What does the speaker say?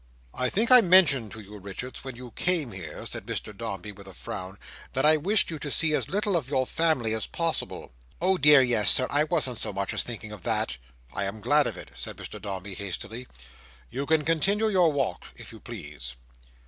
"I think I mentioned to you, Richards, when you came here," said Mr Dombey, with a frown, "that I wished you to see as little of your family as possible." "Oh dear yes, Sir, I wasn't so much as thinking of that." "I am glad of it," said Mr Dombey hastily. "You can continue your walk if you please."